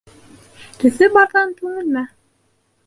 Төҫө барҙан төңөлмә